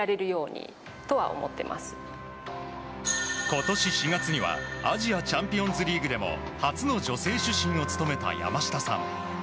今年４月にはアジアチャンピオンズリーグでも初の女性主審を務めた山下さん。